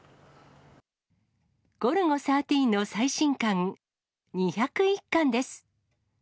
ゴルゴ１３の最新巻、２０１巻です。